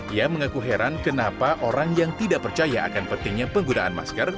ia mengaku heran kenapa orang yang tidak percaya akan pentingnya penggunaan masker